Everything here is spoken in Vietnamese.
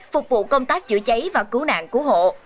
phục vụ công tác chữa cháy và cứu nạn cứu hộ